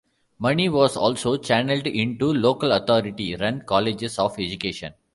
Money was also channelled into local-authority run colleges of education.